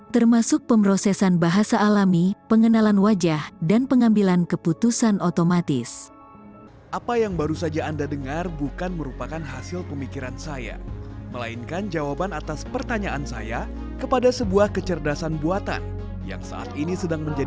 termasuk pemrosesan bahasa alami pengenalan wajah dan pengambilan keputusan otomatis